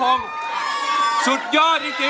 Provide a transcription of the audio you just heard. ล้อมได้ให้ร้าน